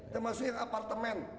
termasuk yang apartemen